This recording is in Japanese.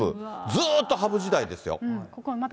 ずっと羽生時代ですよ。